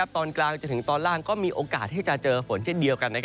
ตอนกลางจนถึงตอนล่างก็มีโอกาสที่จะเจอฝนเช่นเดียวกัน